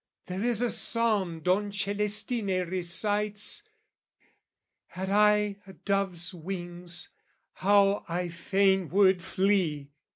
There is a psalm Don Celestine recites, "Had I a dove's wings, how I fain would flee!"